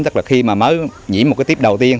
tức là khi mà mới nhĩ một cái tiếp đầu tiên